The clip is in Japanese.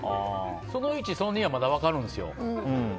その１、その２はまだ分かるんですよ。